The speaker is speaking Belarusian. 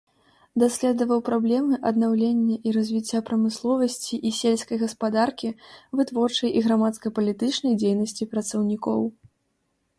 Даследаваў праблемы аднаўлення і развіцця прамысловасці і сельскай гаспадаркі, вытворчай і грамадска-палітычнай дзейнасці працаўнікоў.